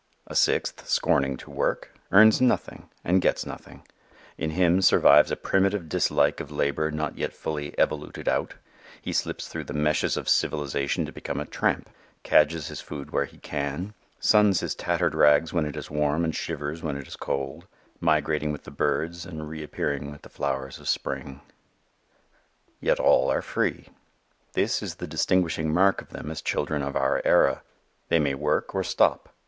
A sixth, scorning to work, earns nothing and gets nothing; in him survives a primitive dislike of labor not yet fully "evoluted out;" he slips through the meshes of civilization to become a "tramp," cadges his food where he can, suns his tattered rags when it is warm and shivers when it is cold, migrating with the birds and reappearing with the flowers of spring. Yet all are free. This is the distinguishing mark of them as children of our era. They may work or stop.